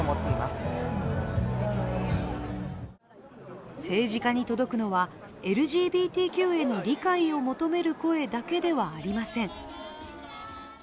当事者団体は政治家に届くのはＬＧＢＴＱへの理解を求める声だけではありません。